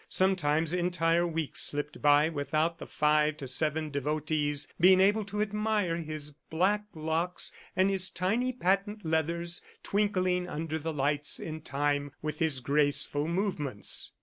Sometimes entire weeks slipped by without the five to seven devotees being able to admire his black locks and his tiny patent leathers twinkling under the lights in time with his graceful movements.